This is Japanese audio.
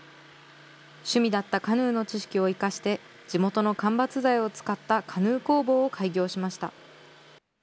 趣味だったカヌーの知識を生かして、地元の間伐材を使ったカヌー工房を開業しました。